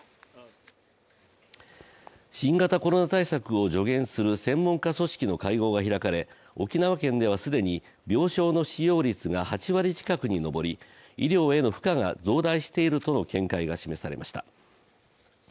新型コロナ対策を助言する専門家組織の会合が開かれ、沖縄県では既に病床の使用率が８割近くにのぼり、医療への負荷が増大しているとの見解が示されました。